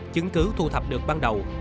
chứng cứ thu thập được ban đầu